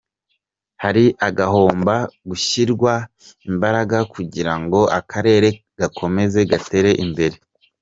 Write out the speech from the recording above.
Hari ahagomba gushyirwa imbaraga kugirango Akarere gakomeze gatere imbere.